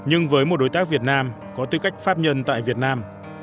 nhưng với một đối tác việt nam có tư cách pháp nhân tại việt nam